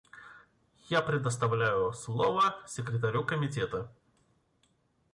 Я предоставляю слово секретарю Комитета.